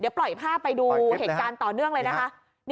เดี๋ยวปล่อยภาพไปดูเหตุการณ์ต่อเนื่องเลยนะคะ